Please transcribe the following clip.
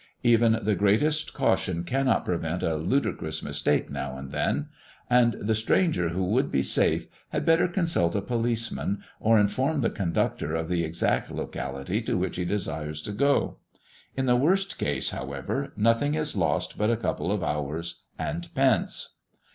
Even the greatest caution cannot prevent a ludicrous mistake now and then; and the stranger who would be safe had better consult a policeman, or inform the conductor of the exact locality to which he desires to go. In the worst case, however, nothing is lost but a couple of hours and pence.